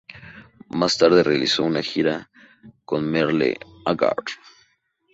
Más tarde realizó una gira con Merle Haggard.